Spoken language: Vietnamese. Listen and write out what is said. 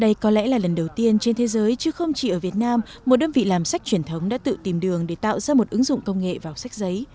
đây có lẽ là lần đầu tiên trên thế giới chứ không chỉ ở việt nam một đơn vị làm sách truyền thống đã tự tìm đường để tạo ra một ứng dụng công nghệ vào sách giấy